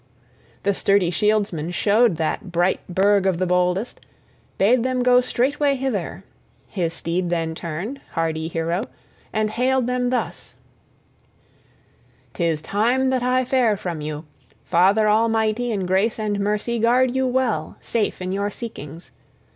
The sturdy shieldsman showed that bright burg of the boldest; bade them go straightway thither; his steed then turned, hardy hero, and hailed them thus: "'Tis time that I fare from you. Father Almighty in grace and mercy guard you well, safe in your seekings.